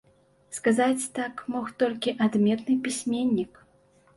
Сказаць так мог толькі адметны пісьменнік.